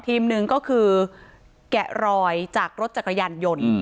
หนึ่งก็คือแกะรอยจากรถจักรยานยนต์